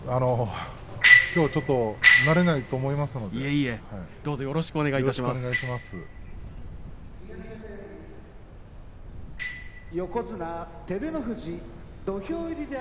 きょうはちょっと慣れないと思いますので。